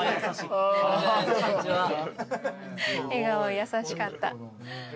笑顔優しかった。